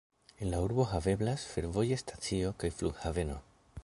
En la urbo haveblas fervoja stacio kaj flughaveno.